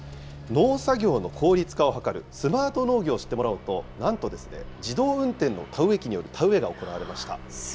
農作業の効率化を図るスマート農業を知ってもらおうと、なんとですね、自動運転の田植え機による田植えが行われました。